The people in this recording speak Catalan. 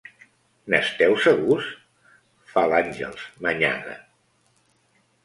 N'esteu segurs? –fa l'Àngels, manyaga–.